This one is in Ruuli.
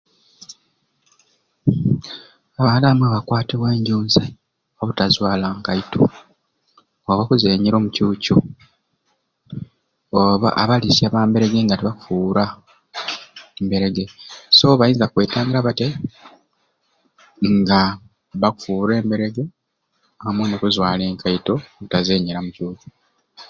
Abantu abamwe bakwatibwa enjunzai obutazwala nkaito, nga bakuzenyera o mu cuucu oba abaliisya ba mberege nga tebakufuuwira mberege. So balina kwetangira batyai, nga bakufuwira emberege amwe n'okuzwala enkaito n'obutazenyera mu cuucu